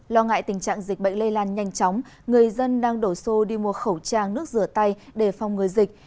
lo ngại tình trạng dịch bệnh lây lan nhanh chóng người dân đang đổ xô đi mua khẩu trang nước rửa tay để phòng người dịch